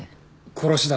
殺しだ。